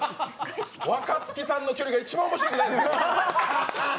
若槻さんの距離が一番面白くないです。